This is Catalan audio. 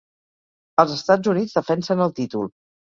Els Estats Units defensen el títol.